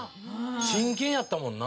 真剣やったもんな。